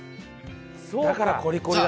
だからコリコリだ。